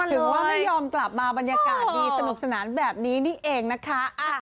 ถึงว่าไม่ยอมกลับมาบรรยากาศดีสนุกสนานแบบนี้นี่เองนะคะ